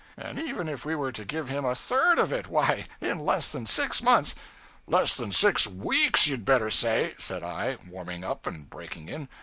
And even if we were to give him a _third _of it; why, in less than six months ' 'Less than six weeks, you'd better say!' said I, warming up and breaking in.